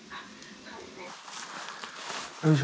よいしょ。